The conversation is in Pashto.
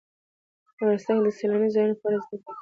افغانستان کې د سیلاني ځایونو په اړه زده کړه کېږي.